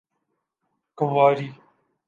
Khanauri